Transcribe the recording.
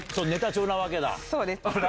そうです。